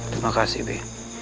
terima kasih bi